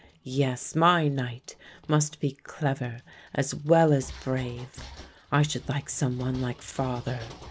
Yes, my knight must be clever as well as brave. I should like some one like father.